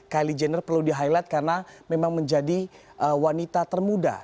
kylie jenner perlu di highlight karena memang menjadi wanita termuda